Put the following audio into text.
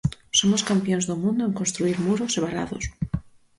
"Somos campións do mundo en construír muros e valados".